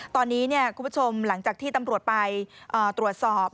ตอนนี้คุณผู้ชมหลังจากที่ตำรวจไปตรวจสอบ